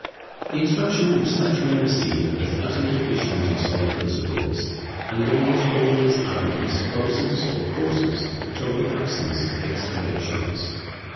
The instruction which such men receive is utterly deficient in solid principles, and it almost always either presupposes or causes a total absence of fixed convictions.